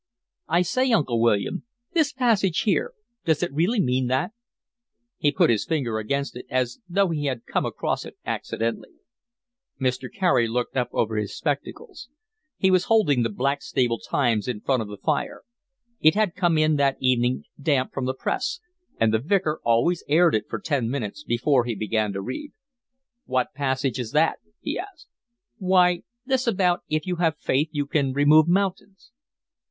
"I say, Uncle William, this passage here, does it really mean that?" He put his finger against it as though he had come across it accidentally. Mr. Carey looked up over his spectacles. He was holding The Blackstable Times in front of the fire. It had come in that evening damp from the press, and the Vicar always aired it for ten minutes before he began to read. "What passage is that?" he asked. "Why, this about if you have faith you can remove mountains."